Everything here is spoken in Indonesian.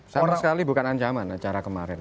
sama sekali bukan ancaman acara kemarin